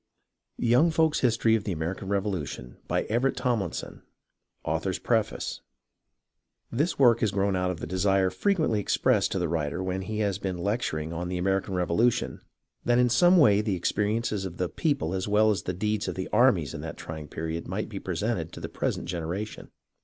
XXo. No. COPY A. Copyright, 1901, by DOUBLEDAY, PAGE & CO. September, igoi PREFACE This work has grown out of the desire frequently ex pressed to the writer when he has been lecturing on the American Revolution, that in some way the experiences of the people as well as the deeds of the armies in that trying period might be presented to the present genera tion.